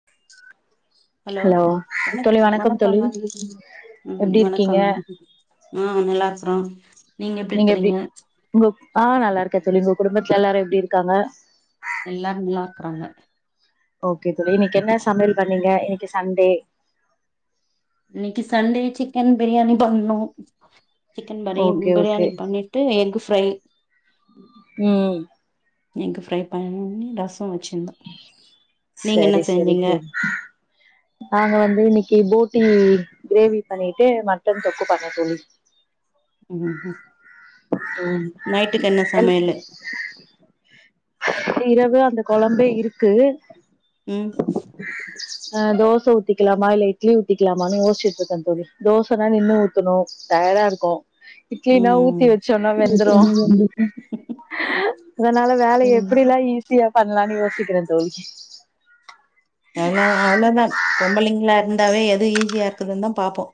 [unintelligible] hello வணக்க தோழி வணக்கம் தோழி வணக்கங்க ம் எப்டி இருக்கீங்க வணக்கங்க ஆ நல்லா இருக்கறோ நீங்க எப்படி இருக்கறீங்க உங்க ஆ நல்லாயிருக்கே தோழி உங்க குடும்பத்துல எல்லாரு எப்டி இருக்காங்க எல்லாரு நல்லா இருக்கறாங்க ஓகே தோழி இன்னிக்கென்ன சமையல் பண்ணீங்க இன்னிக்கு சண்டே இன்னிக்கு சண்டே சிக்கன் பிரியாணி பன்னோ சிக்கன் பரி ஓகே ஓகே பிரியாணி பண்ணி ட்டு எஃகு ஃப்ரை ம் எக்கு ஃப்ரை பண்ணி ரசோ வெச்சிருந்த நீங்க என்ன சரி சரி செஞ்சீங்க தோழி நாங்க வந்து இன்னிக்கு போடி கிரேவி பண்ணீட்டு மட்டன் தொக்கு பண்ணே தோழி ம் நைட்டுக்கு என்ன எல் சமையலு இரவு அந்த குழம்பே இருக்கு ம் [unintelligible] அ தோச ஊத்திக்கலாமா இல்ல இட்லி ஊத்திக்கலாமான்னு யோஸ்சிட்ருங்க தோழி தோசனா நின்னு ஊத்துணு டயர்டா இருக்கு இட்லினா ஊத்தி ம் வெச்சோனா வெந்துரு ம் அதனால வேல எப்படிலா ஈஸியா பண்லான்னு யோசிக்கற தோழி அதலா அவ்ளதா பொம்பளைங்களா இருந்தாவே எது ஈஸியா இருக்குதுன் தா பாப்போ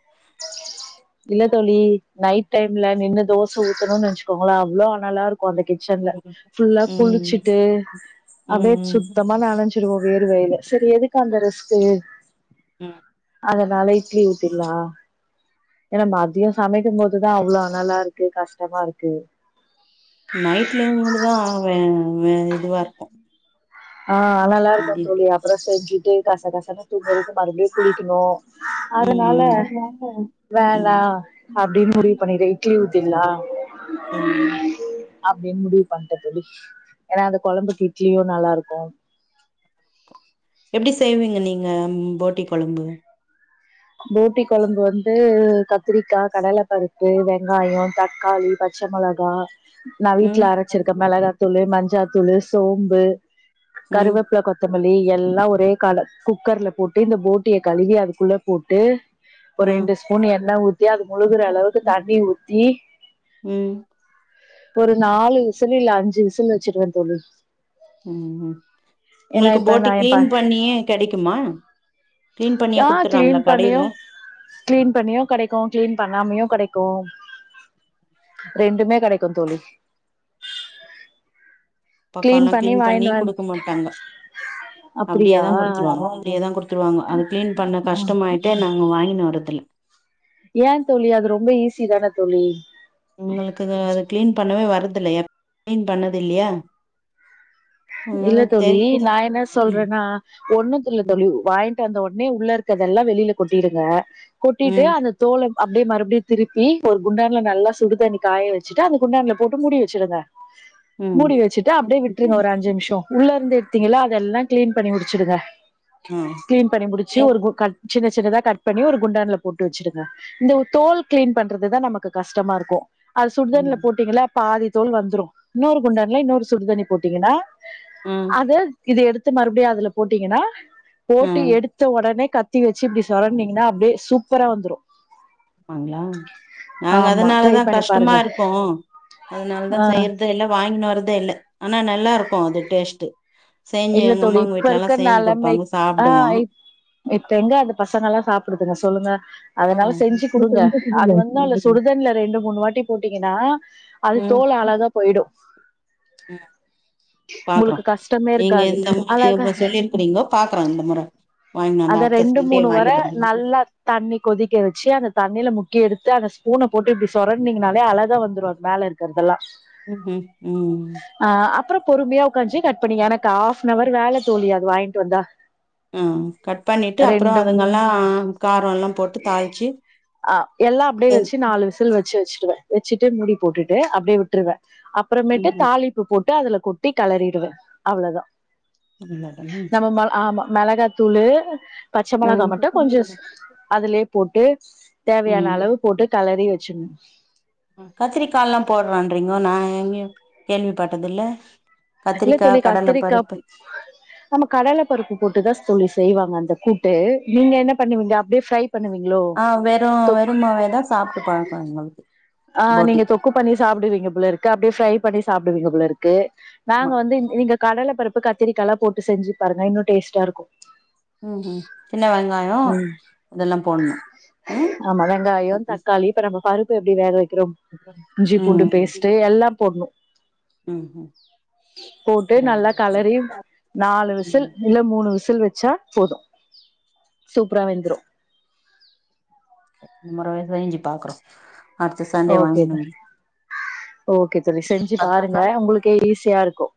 இல்ல தோழி நைட் டைம்ல நின்னு தோச ஊத்தணுன் நெனச்சுக்கோங்கலே அவ்ளோ அனலா இருக் ஒக்காந்த கிச்சன்ல புல்லா ம் குளிச்சிட்டு ம் அப்டே ம் சுத்த மா நனஞ்சிடுவோ வேர்வையில செரி எதுக்கு அந்த ரிஸ்க்கு ம் அதனால இட்லி ஊத்திர்லா ஏன்னா மதியோ சமைக்கும் போதுதா அவ்ளோ அனலா இருக்கு கஷ்டமா இருக்கு நைட்லயு [unintelligible] தா ஆவே வே இதுவா இருக்கு ஆ நா நல்லா இருக்கே மதிய தோழி அப்றோ செஞ்சுட்டு கச கசனு தூங்றதுக்கு மறுபடியு குளிக்கணு ம் அதனால ம் அதனால ம் வேண்டா அப்டின் முடிவு பண்ணிட்டே இட்லி ஊத்திட்லா ம் அப்டின் முடிவு பண்ட்டே தோழி ஏனா அந்த கொழம்புக்கு இட்லியு நல்லா இருக்கு எப்டி செய்வீங்க நீங்க போட்டி கொழம்பு போட்டி கொழம்பு வந்து கத்திரிக்கா கடல பருப்பு வெங்காயோ தக்காளி பச் பச்ச மொளகா நா வீட்ல ம் அரச்சிருக்கே மெளகாத்தூளு மஞ்சாத்தூளு சோம்பு ம் கருவேப்ல கொத் கொத்தமல்லி எல்லா ஒரே கால குக்கர்ல போட்டு இந்த போட்டிய கழுவி அதுக்குள்ள போட்டு ம் ஒர் ம் ரெண்டு ஸ்பூன் எண்ண ஊத்தி அது முழுகுற அளவுக்கு தண்ணி ஊத்தி ம் ஒரு நாலு விசிலு இல்ல அஞ்சு விசில் வச்ருவே தோழி ம்ம் ஏன்னா உங்ளுக்கு இப்ப போட்டி நா எ ப கிளீன் பண்ணியே கெடைக்குமா க்ளீன் பண்ணியா குடுத்துறாங்ளா கடைல க்ளீன் பண்ணியு கெடைக்கு க்ளீன் பண்ணாமயு கெடைக்கு ரெண்டுமே கெடைக்குந்தோழி கிளீன் பக்கோல்லா க்ளீன் பண்ணி வாங்கினு வந் குடுக்க மாட்டாங்க அப்டியா அப்டியேதா குடுத்துருவாங்கோ அப்டியேதா குடுத் குத்துருவாங்கோ அது க்ளீன் பண்ண கஷ்டமாயிட்டே நாங்க வாங்கினு வரதுல்ல ஏ தோழி அது ரொம்ப ஈஸி தான தோழி உங்ளுக்கு அது கிளீன் பண்ணவே வரதில்ல எப் [inaudible] க்ளீன் பண்ணது இல்லையா இல்ல அதனால தோழி தெரியல நா என்ன ம் சொல்றேன்னா ஒன்னுத்துல ம் தோழி வாங்கிட்டு வந்த உட்னே உள்ள இருக்கதெல்லா வெளில கொட்டிடுங்க கொட்டிட்டு ம் அந்த தோல அப்டியே மறுபடியு திருப்பி ஒரு குண்டான்ல நல்லா சுடுதண்ணி காய வச்சுட்டு அந்த குண்டான்ல போட்டு மூடி வச்சுருங்க [unintelligible] ம் மூடி வச்சுட்டு அப்டியே விட்ருங்க ஒரு அஞ்சு நிமிஷோ உள்ள இருந்து எடுத்தீங்ள அதெல்லா க்ளீன் பண்ணி முடிச்சுடுங்க ம் க்ளீன் பண்ணி முடிச்சி ஒரு கு கட் சின்ன சின்னதா கட் பண்ணி ஒரு குண்டான்ல போட்டு வச்சிடுங்க இந்த தோல் க்ளீன் பண்றது தா நமக்கு கஷ்டமா இருக்கு அது சுடுதண்ல போட்டீங்கள்ள பாதி தோல் வந்துரு இன்னொரு குண்டான்ல இன்னொரு சுடுதண்ணி போட்டீங்கன்னா ம் து இது எடுத்து மறுபடியு அதுல போட்டீங்கன்னா போட்டு எடுத்த உடனே கத் கத்தி வச்சு இப்டி சொறன்ட்னீங்கன்னா அப்டியே சூப்பரா வந்துரு ஆங்லா நாங்க ஆமா ட்ரை அதனாலதா பண்ணி கஷ்டமா பாருங்க இருக்கோ அதனால்தா செய்றது இல்ல வாங்கினு வரதே இல்ல ஆனா நல்லா இருக்கு அது டேஸ்ட்டு செஞ்சு இல்ல எங்க தோழி அம்மாங்க இப்ப வீட்ல எல்லா இருக்க செஞ்சு நெலமை குடுப்பாங்கோ ஆ சாப்டுவோ இப்ப எங்க அந்த பசங்கல்லா சாப்டுதுங்க சொல்லுங்க ஆ அதனால செஞ்சு குடுங்க அது ம் வந்து நல்ல சுடுதண்ல ரெண்டு மூணு வாட்டி போட்டீங்கன்னா அது ம் தோலு அழகா போய்டு ம் பாக்குறோ உங்ளுக்கு கஷ்டமே இருக் நீங்க இந்த முற சொல்லியிருக்குறீங்கோ பாக்குறே இந்த முற வாங்கினு வந்து அத அடுத்த ரெண்டு சண்டே மூணு வர வாங்கினு வந்து நல்லா தண்ணி கொதிக்க வச்சு அந்த தண்ணியில முக்கி எடுத்து அந்த ஸ்பூன போட்டு இப்டி சொரண்ட்னீங்கனாலே அழகா வந்துரு அது மேல இருக் றதெலா ம்ம் ம் அ அப்றோ பொறுமையா உக்காஞ்சி கட் பண்ணி எனக்கு ஹாப் அன் அவர் வேல தோழி அது வாங்கிட்டு வந்தா அ கட் பண்ணிட்டு அப்புறோ ரெண்டு அதுங்கெல்லா காரோல்லா போட்டு தாள்ச்சு ஆ எல்லா அப்டியே வச்சு நாலு விசில் வச்சு வச்டுவே வச்சுட்டு முடி போட்டுட்டு அப்படியே விட்டுருவே அப்புறமேட்டு ம் தாளிப்பு போட்டு அதுல கொட்டி கெளறிடுவே அவ்ளோதா [unintelligible] தம்புல்ஸ் நம்ம ம ஆமா மெளகாத்தூளு‌ பச்ச மொளகா மட்டு கொஞ்சோ அதுலே போட்டு தேவையான ம் அளவு போட்டு கலறி வெச்சுட்னு கத்திரிக்கால்லா போட்றான்றிங்கோ நா எங்கயு கேள்விப்பட்டது இல்ல இல்ல தோழி கத்தரிக்கா நம்ம கடல பருப்பு போட்டுதா தோழி செய்வாங்க அந்த கூட்டு நீங்க என்ன பண்ணுவீங்க அப்டே ஃப்ரை பண்ணுவீங்களோ ஆ வெறு வெறு மாவேதா சாப்ட்டு பழக்கோ எங்களுக்கு ஆ போட்டி நீங்க தொக்கு பண்ணி சாப்டுவீங்க போல இருக்கு அப்டே ஃப்ரை பண்ணி சாப்டுவீங்க போல இருக்கு நாங்க ஆமா வந்து நீங்க கடல பருப்பு கத்திரிக்காலா போட்டு செஞ்சு பாருங்க இன்னு டேஸ்ட்டா இருக்கு ம் ம் சின்ன வெங்காயோ ம் இதெல்லா போட்ணு ம் ஆமா வெங்காயோ தக்காளி இப்ப நம்ம பருப்ப எப்டி வேக வெக்கிறோ இஞ்சி பூண்டு ம் பேஸ்ட்டு எல்லா போட்ணு ம் போட்டு நல்லா கலறி நாலு விசில் ம் இல்ல மூணு விசில் வெச்சா போது சூப்பரா வெந்துரு முறவே செஞ்சு பாக்குறோ அடுத்த சண்டே ஓகே தா வாங்கணு ஓகே தோழி செஞ்சு பாருங்க உங்களுக்கே ஈஸியா இருக்கு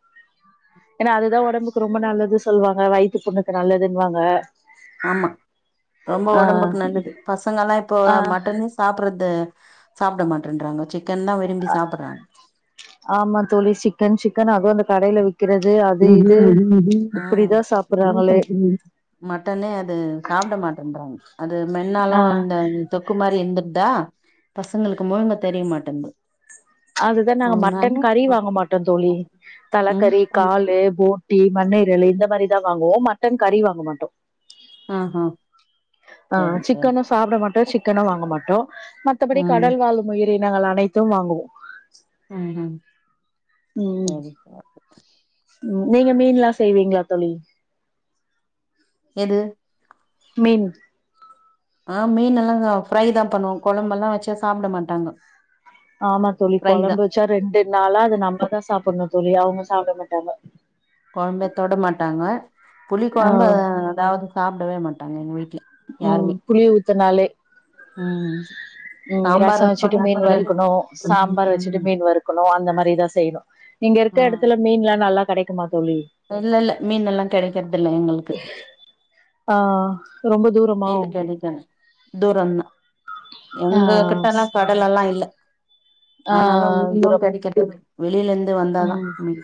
எனா அதுதா ஒடம்புக்கு ரொம்ப நல்லது சொல்லுவாங்க வயித்து புண்ணுக்கு நல்லதுன்னுவாங்க ஆமா ரொம்ப ஒடம்புக்கு நல்லது பசங்களா இப்போ ஆ மட்டனே சாப்புட்றது சாப்புட மாட்டேன்றாங்க சிக்கன்தா விரும்பி சாப்பட்றாங்க ஆமா தோழி சிக்கன் சிக்கன் அதுவு அந்த கடைல விக் க்கிறது ம் ம் ம் ம் ஆ [inaudible] சாப்பிடுறாங்களே சாப்பட் [inaudible] மட்டனே அது சாப்பட மாட்டேன்றாங்க அது மென்னாலு ஆ அந்த தொக்கு மாரி எந்திருதா பசங்களுக்கு முழுங்க தெரிய மாட்டேங்குது அதுதா நாங்க மட்டன் கறி வாங்க மாட்டோ தோழி ம் தலகறி காலு போன் போட்டி மண்ணிரலு இந்த மாரிதா வாங்குவோ மட்டன் கறி வாங்க மாட்டோ ஆஹா ஆ சரி சரி சிக்கனு சாப்ட மாட்டோ சிக்கனு வாங்க மாட்டோ மத்தபடி ம் கடல் வாழ் உயிரினங்கள் அனைத்து வாங்குவோ ம் ம் சரி சரி நீங்க மீன்லா செய்வீங்களா தொழி எது மீன் ஆ மீன்னலா நாங்க ஃப்ரைதா பண்ணுவோ கொழம்பெல்லா வெச்சா சாப்ட மாட்டாங்க ஆமா தோழி ஃப்ரை தா கொழம்பு வெச்சா ரெண்டு நாளா அத நம்மதா சாப்பட்ணு தொழி அவுங்க சாப்பட மாட்டாங்க கொழம்பே தொட மாட்டாங்க புளி ஆ கொழம்ப அதாவ்து சாப்டவே மாட்டாங்க எங்க வீட்ல ம் யாருமே புளி ஊத்தனாலே ம் ம் சாம்பார் ரசோ வெச்சுட்டு வெப்பாங்க மீன் பொரியல் வறுக்கணு சாம்பார் வெச்சிட்டு ம் மீன் வறுக்கணு அந்த மாரிதா செய்யணு நீங்க இருக்க ம் எடத்துல மீன்லா நல்லா கடைக் குமா தோழி இல்ல இல்ல மீன் எல்லா கெடைக்றது இல்ல எங்களுக்கு ஆ ரொம்ப தூறோ மீ கடைக்காது தூரோந்தா ஆ எங்க கிட்டல்லா கடல்லலா இல்ல ஆ ஆனாலு மீனு தூரம் கெடைக்கட்டு வே வெளியில இந்து வந்தாதா ம் மீ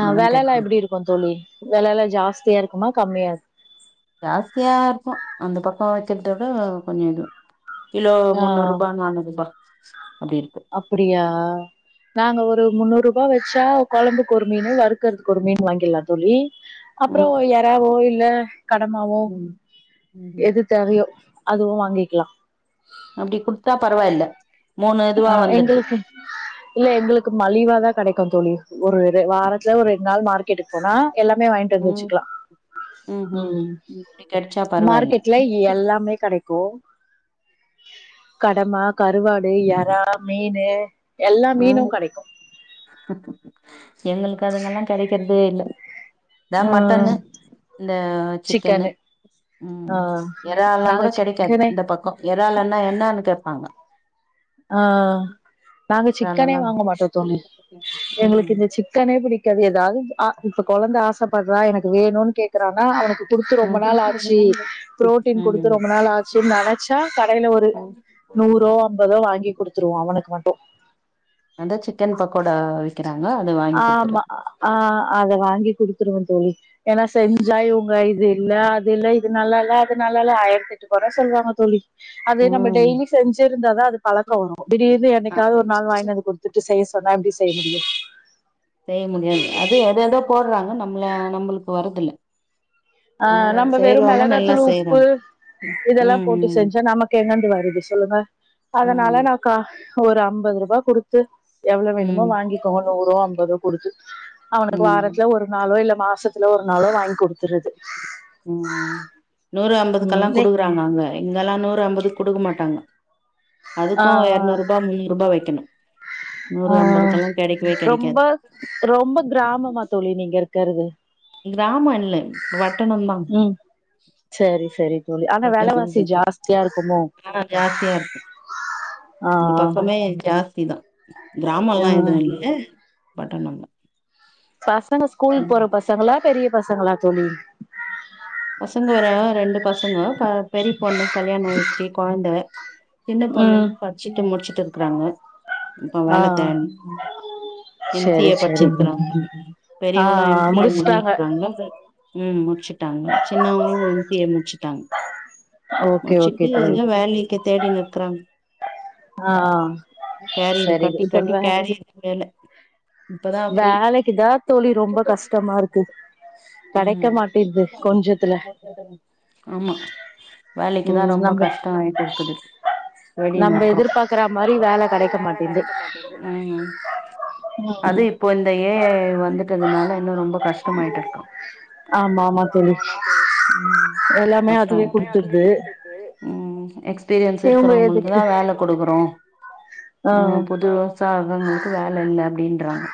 இங்கலா கேட் [inaudible] கோ தோழி வேல எல்லா ஜாஸ்தியா இருக்குமா கம்மியா இருக் ஜாஸ்தியா இருக்கோ அந்த பக்கோ வச்சதோட விட கொஞ்சோ இது கிலோ ஆ முன்னூறு ரூபா நானூறு ரூபா அப்டி இருக்கு அப்டியா நாங்க ஒரு முன்னூறு ரூபா வச்சா குழம்புக்கு ஒரு மீனு வறுக்கதுக்கு ஒரு மீனு வாங்கிலான் தோழி அப்பறோ ம் யறாவோ இல்ல கடமாவோ ம் ம் எது தேவையோ அதுவு வாங்கிக்கிலா அப்டி குடுத்தா பரவாயில்ல மூணு இதுவா ஆ வந்துடுது எங்களுக்கு இல்ல எங்களுக்கு மலிவாதா கடைக்கு தோழி ஒரு ரெ வாரத்துல ஒரு ரெண்டு நாள் மார்க்கெட்டுக்கு போனா எல்லாமே வாங்கிட்டு வந்து ம் வச்சுக்கலா ம் இப்டி கெடச்சா பரவாயில்ல மார்க்கெட் ல எல்லாமே கெடைக்கு கடமா கருவாடு ஏ றா மீனு எல்லா மீனு கடைக்கு எங்ளுக்கு அதுங்கல்லா கெடைக்கிறதே இல்ல இதா மட்டன்னு ம் இந்த சிக்கன்னு சிக்கனு ம் ஆ எறால்லா நாங்க கூட கெடைக்காது சிக்கனே இந்த பக்கோ எறாள்றன்னா என்னான்னு கேப்பாங்க ஆ நாங்க சிக்கனே எறாலல்லா வாங்க மாட்டோ தோழி எங்ளுக்கு ம் இந்த சிக்கனே பிடிக் காது ஏதாவது ஆ இப்ப குழந்த ஆசைப்படுறா எனக்கு வேணுன் கேக்குறானா அவனுக்கு குடுத்து ரொம்ப ம் நாள் ஆச்சி பு்ரோட்டீன் ம் குடுத்து ரொம்ப நாள் ஆச்சி நனைச்சா கடைல ஒரு நூறோ ஐம்பதோ வாங்கி குடுத்துருவோ அவனுக்கு மட்டு அந்த சிக்கன் பக்கோடா வி க்கிறாங்கோ அது வா ஆமா ஆ ஆ அத வாங்கி குடுத்துருவோ தோழி ஏனா செஞ்சா இவங்க இது இல்ல அது இல்ல இது நல்லா இல்ல அது நல்லா இல்ல ஆயிரத்தெட்டு கொற சொல்லுவாங்க தோழி அது நம்ம ம் டெய்லி செஞ்சிருந்தாதா அது பழக்கோ வரு திடீர்னு என்னைக்காவது ஒரு நாள் வாங்கிட்டு வந்து குடு த்துட்டு செய்ய சொன்னா எப்டி செய்ய முடியு செய்ய முடியாது அது எதுதோ போடுறாங்க நம்மள நம்மளுக்கு வரதில்ல ஆ அவங்க நம்ம வெறு செய்றவங்க நல்லா மொளகாத்தூள் உப்பு செய்றாங்க இதெல்லா ம் போட்டு ம் செஞ்சா நமக்கு எங்கெந்து வருது சொல்லுங்க அதனால ம் நா கா ஒரு ஐம்பது ரூபா குடுத்து எவ்ளோ வேணுமோ ம் வாங்கிக்கோங்க நூறோ ஐம்பதோ குடுத்து அவனுக்கு ம் வாரத்துல ஒரு நாளோ இல்ல மாசத்துல ஒரு நாளோ வாங்கி குடுத்துருது ம் நூறு அம்பதுக்கெல்லா ம் குடுக்குறாங்க அங்க இங்கெல்லா நூறு அம்பதுக்கு குடுக்க மாட்டாங்க ஆ அதுக்கு இரநூறு ரூபா முன்னூறு ரூபா வைக்கணு நூறு ஆ ஐம்பதுக்கெல்லா கெடைக்கவே ரொம்ப கெடைக்காது ரொம்ப கிராமமா தோழி நீங்க இருக்கறது கிராமம் இல்ல வட்டணோதா ம் சரி சரி தோழி ஆனா விலவாசி ஜாஸ்தியா இருக்குமோ ஆ ஜாஸ்தியா இருக்கு ஆ இந்த பக்கமே ஜாஸ்தி தா கிராமோல்லா ம் எதுவு இல்ல பட்டணம் தா பசங்க ஸ்கூல் போற பசங்களா பெரிய பசங்களா தோழி பசங்க வர ரெண்டு பசங்க ப பெரிய பொண்ணு கல்யாணம் வச்சி குழந்த சின்ன பொண்ணு ம் படிச்சிட்டு முடிச்சிட்டு இருக்கறாங்க இப்ப ஆ வேல தனு சரி எம்சிஏ சரி தோழி பச்சிருக்கிறாங்க ஆ பெரியவளா எம்சிஏ முடிச்சுட்டாங்க முடிச்சிற்காக ம் முடிச்சுட்டாங்க சின்னவங்களு எம் சி ஏ முட்ச்சுட்டாங் ஓகே ஓகே முடிச்சுட்டு தோழி எதோ வேலிக்கே தேடினிற்கிறாங் ஆ கேரியரு சரி கட்டி இப்ப கட்டி வே கேரியரே [unintelligible] வேலைக்குதா தோழி ரொம்ப கஷ்டமா இருக்கு கெடைக்க ம் மாட்டேன்து கொஞ்ச ஆமா வேலைக்குதா ம் ரொம்ப நம்ப கஷ்ட ஆயிட்டுருக்குது தேடின் நம்ம இருக்குறோ எதிர்பார்க்கற மாரி வேல கெடைக்க மாட்டேது ம் அது ம் இப்போ இந்த ஏ ஐ வந்துட்டதுனால இன்னு ரொம்ப கஷ்டமாயிட்டுருக்கா ஆமா ஆமா தோழி ம் எல்லாமே கஷ்டோ அதுவே குடுத்துருது ஆய்ட்டுருக்கு ம் எக்ஸ் பீரியன்ஸ் இவங்க எதுக்கு இருக்கிறவங்களுக்குதா வேல குடுக்குறோ ஆ அ புதுசா வரவங்களுக்கு வேல இல்ல அப்டின்றாங்க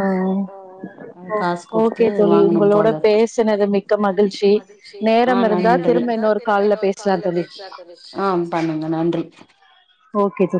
ஆ அ ஒ காசு குடுத்து ஓகே தோழி வாங்கனு போல உங்களோட இருக்கு பேஸ் னது மிக்க மகிழ்ச்சி நேரம் இருந்தா திரும்ப இன்னொரு கால்ல பேஸ்லா தோழி ஆ பண்ணுங்க நன்றி ஓகே தோழி